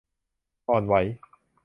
อ่อนไหว